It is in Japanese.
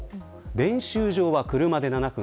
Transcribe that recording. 練習場は車で７分。